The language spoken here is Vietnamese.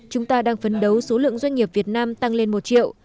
chúng ta đang phấn đấu số lượng doanh nghiệp việt nam tăng lên một triệu